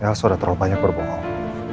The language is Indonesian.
elsa udah terlalu banyak berbohong